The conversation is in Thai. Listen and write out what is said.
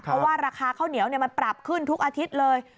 เพราะว่าราคาข้าวเหนียวมันปรับขึ้นทุกอาทิตย์เลย